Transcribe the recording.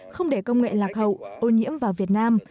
không để công nghệ lạc hậu ô nhiễm vào việt nam